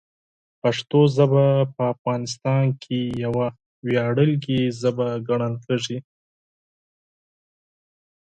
پښتو ژبه په افغانستان کې یوه ویاړلې ژبه ګڼل کېږي.